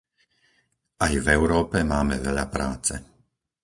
Aj v Európe máme veľa práce.